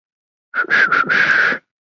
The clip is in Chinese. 马来西亚商人曾长义在幕后提供资金。